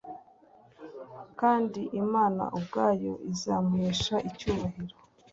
Kandi Imana ubwayo izamuhesha icyubahiro